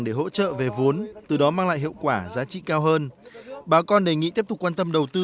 để hỗ trợ về vốn từ đó mang lại hiệu quả giá trị cao hơn bà con đề nghị tiếp tục quan tâm đầu tư